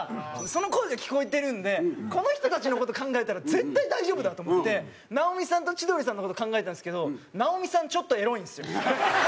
その声が聞こえてるんでこの人たちの事考えたら絶対大丈夫だと思って直美さんと千鳥さんの事考えたんですけど直美さんちょっとエロいんすよ。